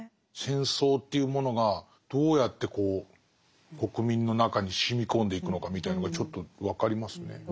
戦争というものがどうやってこう国民の中にしみこんでいくのかみたいのがちょっと分かりますね。